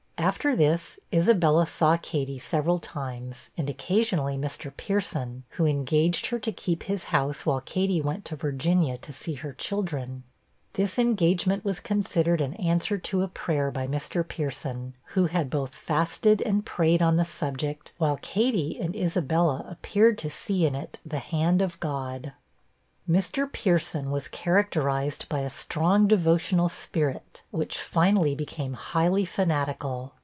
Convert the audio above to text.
After this, Isabella saw Katy several times, and occasionally Mr. Pierson, who engaged her to keep his house while Katy went to Virginia to see her children. This engagement was considered an answer to a prayer by Mr. Pierson, who had both fasted and prayed on the subject, while Katy and Isabella appeared to see in it the hand of God. Mr. Pierson was characterized by a strong devotional spirit, which finally became highly fanatical.